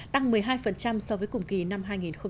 tăng một mươi hai so với cùng kỳ năm hai nghìn một mươi tám